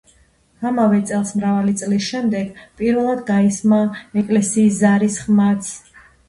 ამავე წელს მრავალი წლის შემდეგ პირველად გაისმა ეკლესიის ზარის ხმაც.